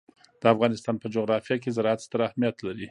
د افغانستان په جغرافیه کې زراعت ستر اهمیت لري.